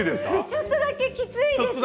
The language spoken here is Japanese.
ちょっとだけきついです。